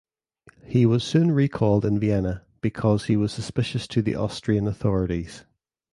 He was soon recalled in Vienna because he was suspicious to the Austrian authorities.